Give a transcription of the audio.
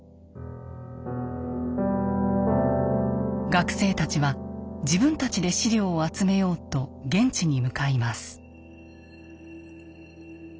学生たちは自分たちで資料を集めようと現地に向かいます。